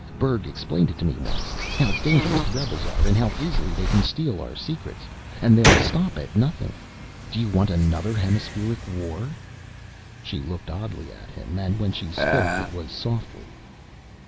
Berg explained it to me once how dangerous the rebels are, and how easily they can steal our secrets. And they'll stop at nothing. Do you want another Hemispheric War?" She looked oddly at him, and when she spoke it was softly.